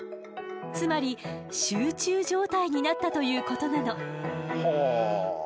つまり集中状態になったということなの。